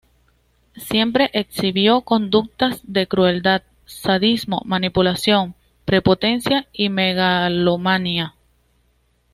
Siempre exhibió conductas de crueldad, sadismo, manipulación, prepotencia y megalomanía.